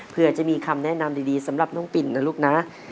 เพื่อจะมีคำแนะนำดีสำหรับน้องปิ่นนะลูกนะ